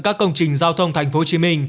các công trình giao thông tp hcm